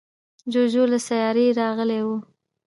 جوجو له سیارې راغلی و.